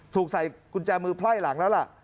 ถูกใส่กุญแจมือไพ่หลังแล้วล่ะ